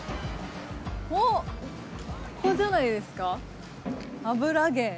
おっここじゃないですか油源。